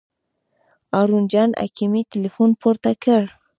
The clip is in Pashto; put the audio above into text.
هارون جان حکیمي تیلفون پورته کړ.